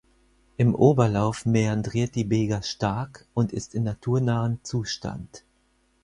Im Oberlauf mäandriert die Bega stark und ist in naturnahem Zustand.